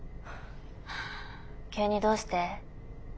急にどうして？